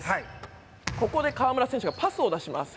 ここで河村選手がパスを出します。